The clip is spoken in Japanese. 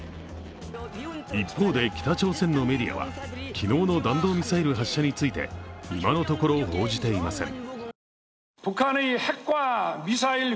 一方で、北朝鮮のメディアは昨日の弾道ミサイルの発射について今のところ報じていません。